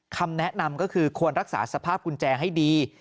คำแนะนำก็คือควรรักษาสภาพกุญแจให้ดี